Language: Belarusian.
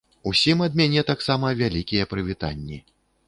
Усім ад мяне таксама вялікія прывітанні.